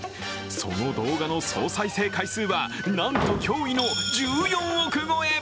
その動画の総再生回数はなんと驚異の１４億超え。